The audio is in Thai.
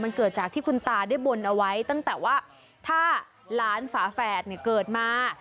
มันเกิดจากที่คุณตาได้บนเอาไว้ตั้งแต่ว่าถ้าหลานฝาแฝดเนี่ยเกิดมา